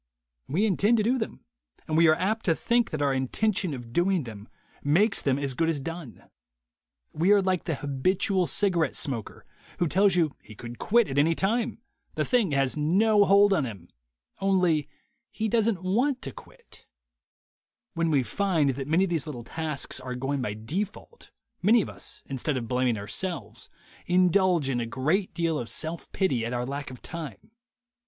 We intend to do them, and we are apt to think that our intention of doing them makes them as good as 120 THE WAY TO WILL POWER 121 done. We are like the habitual cigarette smoker who tells you he could quit at any time— the thing has no hold on him — only he doesn't want to quit. t When we find that many of these little tasks are going by default, many of us, instead of blaming ourselves, indulge in a great deal of self pity at our lack of time.